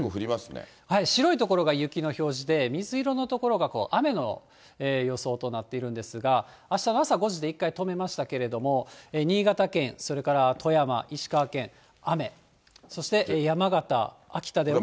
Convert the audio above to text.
白い所が雪の表示で、水色の所が雨の予想となっているんですが、あしたの朝５時で一回止めましたけれども、新潟県、それから富山、石川県、雨、そして山形、秋田でも。